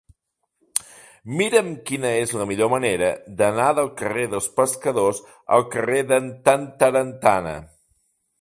Mira'm quina és la millor manera d'anar del carrer dels Pescadors al carrer d'en Tantarantana.